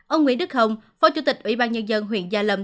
ông nguyễn đức hồng phó chủ tịch ủy ban nhân dân huyện gia lâm